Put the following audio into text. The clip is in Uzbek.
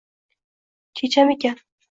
Chechamikan